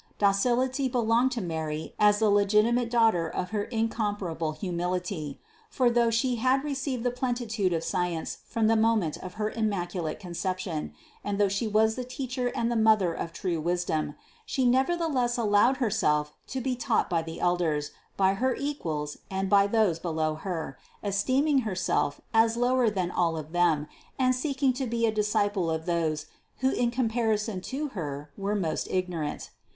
Docility belonged to Mary as the legiti mate daughter of her incomparable humility; for though She had received the plenitude of science from the mo ment of her Immaculate Conception, and though She was the teacher and the mother of true wisdom, She neverthe less allowed Herself to be taught by her elders, by her equals and by those below Her, esteeming Herself as lower than all of them and seeking to be a disciple of those who in comparison to Her were most ignorant.